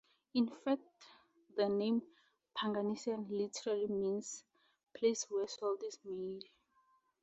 In fact, the name Pangasinan literally means "place where salt is made".